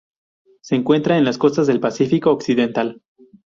Se encuentra en las costas del Pacífico Occidental.